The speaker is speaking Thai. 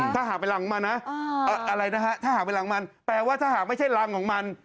ถ้าหากเป็นรังของมันนะอะไรนะฮะถ้าหากเป็นรังมันแปลว่าถ้าหากไม่ใช่รังของมัน